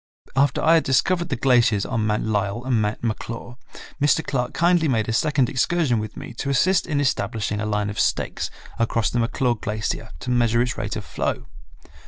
After I had discovered the glaciers on Mount Lyell and Mount McClure, Mr. Clark kindly made a second excursion with me to assist in establishing a line of stakes across the McClure glacier to measure its rate of flow.